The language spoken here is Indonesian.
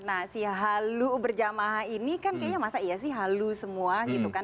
nah si halus berjamaah ini kan kayaknya masa iya sih halus semua gitu kan